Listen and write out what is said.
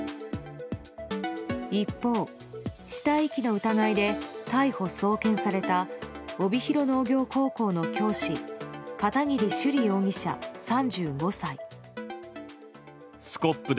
一方、死体遺棄の疑いで逮捕・送検された帯広農業高校の教師片桐朱璃容疑者、３５歳。